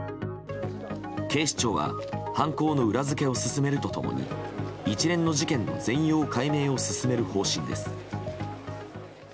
警視庁は犯行の裏付けを進めると共に一連の事件の全容解明を進める方針です。